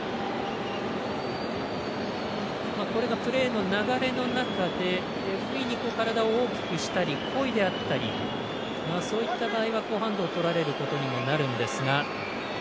これがプレーの流れの中でふいに体を大きくしたり故意であったりそういった場合はハンドをとられることになるんですが。